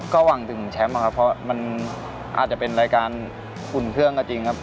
ก็หวังถึงแชมป์ครับเพราะมันอาจจะเป็นรายการอุ่นเครื่องก็จริงครับ